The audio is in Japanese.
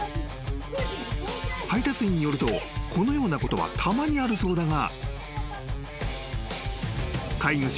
［配達員によるとこのようなことはたまにあるそうだが］